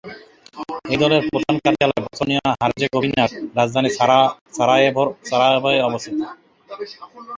এই দলের প্রধান কার্যালয় বসনিয়া ও হার্জেগোভিনার রাজধানী সারায়েভোয় অবস্থিত।